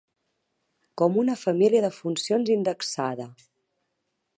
com una família de funcions indexada.